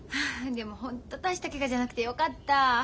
でもホント大したケガじゃなくてよかった。